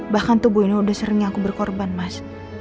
bahkan tubuh ini udah sering aku berkorban mas